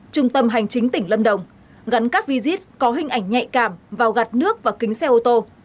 trung tâm hành chính tỉnh lâm đồng gắn các visit có hình ảnh nhạy cảm vào gạt nước và kính xe ô tô